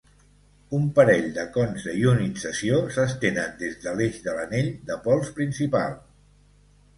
Un parell de cons de ionització s'estenen des de l'eix de l'anell de pols principal.